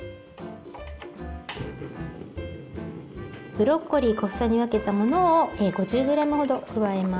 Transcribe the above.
ブロッコリー小房に分けたものを５０グラムほど加えます。